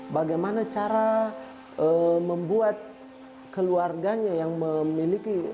bagaimana cara membuat keluarganya yang memiliki